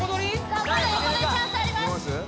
さあまだ横取りチャンスあります